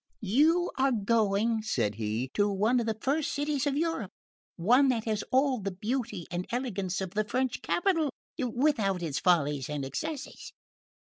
"You are going," said he, "to one of the first cities of Europe; one that has all the beauty and elegance of the French capital without its follies and excesses.